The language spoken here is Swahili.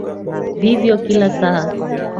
Vivyo kila saa.